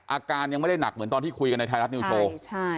อาการยังไม่ได้หนักเหมือนตอนที่คุยกันในไทยรัฐนิวโชว์